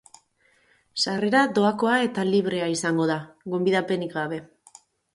Sarrera doakoa eta librea izango da, gonbidapenik gabe.